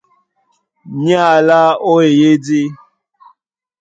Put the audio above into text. Ní alá ó eyídí.